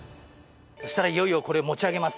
そしたらいよいよこれ持ち上げます。